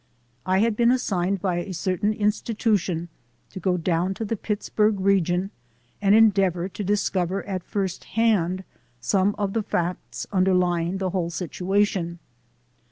I had been assigned by a certain institution to go down to the Pitts burgh region and endeavor to discover at first hand some of the facts underlying the whole situation.